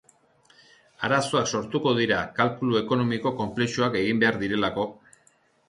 Arazoak sortuko dira kalkulu ekonomiko konplexuak egin behar direlako.